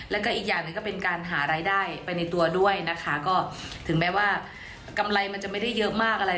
แล้วก็อีกอย่างหนึ่งก็เป็นการหารายได้ไปในตัวด้วยนะคะก็ถึงแม้ว่ากำไรมันจะไม่ได้เยอะมากอะไร